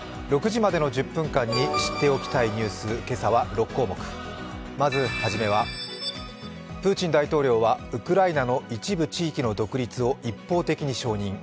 ６時までの１０分間に知っておきたいニュース、今朝は６項目、まずはじめは、プーチン大統領はウクライナの一部地域の独立を一方的に承認。